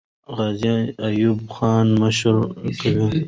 غازي ایوب خان مشري کوله.